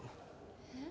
えっ？